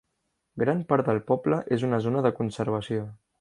Gran part del poble és una zona de conservació.